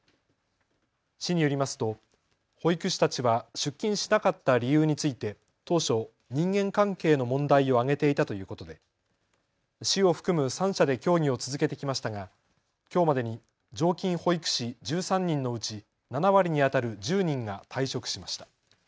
市によりますと保育士たちは出勤しなかった理由について当初、人間関係の問題を挙げていたということで市を含む三者で協議を続けてきましたがきょうまでに常勤保育士１３人のうち７割にあたる１０人が退職しました。